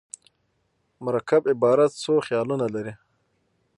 مرکب عبارت څو خیالونه لري.